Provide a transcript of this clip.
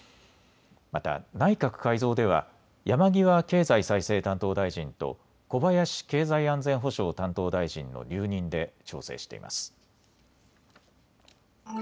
また内閣改造では山際経済再生担当大臣と小林経済安全保障担当大臣の留任で調整しています。